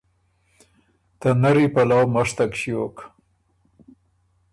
ته نری پلؤ مشتک ݭیوک۔